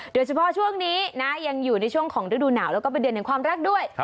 โดยเฉพาะช่วงนี้นะยังอยู่ในช่วงของฤดูหนาวแล้วก็เป็นเดือนแห่งความรักด้วย